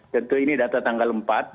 tentu ini data tanggal empat